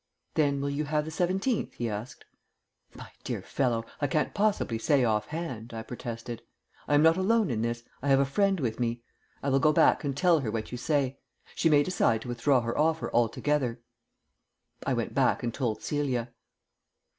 "Then will you have the seventeenth?" he asked. "My dear fellow, I can't possibly say off hand," I protested. "I am not alone in this. I have a friend with me. I will go back and tell her what you say. She may decide to withdraw her offer altogether." I went back and told Celia.